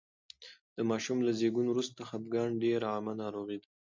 د ماشوم له زېږون وروسته خپګان ډېره عامه ناروغي ده.